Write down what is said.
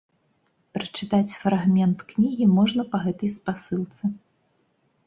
Прачытаць фрагмент кнігі можна па гэтай спасылцы.